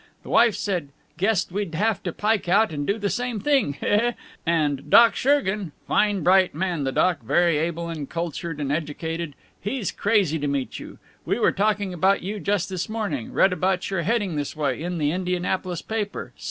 The wife said, guessed we'd have to pike out and do the same thing! Hee, hee! And Doc Schergan fine bright man the doc, very able and cultured and educated he's crazy to meet you. We were talking about you just this morning read about your heading this way, in the Indianapolis paper.